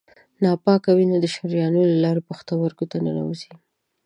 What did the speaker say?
ناپاکه وینه د شریانونو له لارې پښتورګو ته ننوزي.